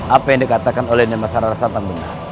apa yang dikatakan oleh nirmasara rasantan benar